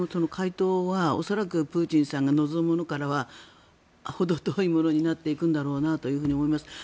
回答は恐らくプーチンさんが望むものからはほど遠いものになっていくんだろうなと思います。